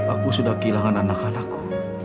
aku sudah kehilangan anak anakku